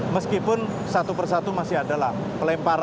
meskipun satu persatu masih adalah pelemparan